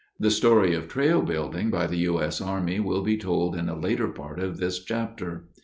The story of trail building by the U. S. Army will be told in a later part of this chapter.